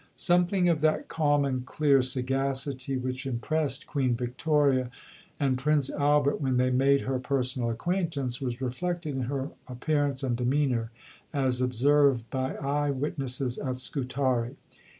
Something of that calm and clear sagacity, which impressed Queen Victoria and Prince Albert when they made her personal acquaintance, was reflected in her appearance and demeanour as observed by eye witnesses at Scutari.